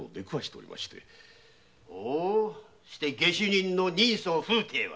して下手人の人相風体は？